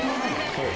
はい。